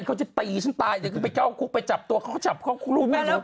โอ้เขาจะตีฉันตายจะไปโก้กุ๊ไปจับตัวเขาก็จับเขา